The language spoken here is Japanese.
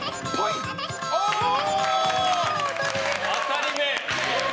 当たり目！